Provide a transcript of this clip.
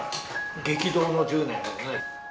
激動の１０年だよね。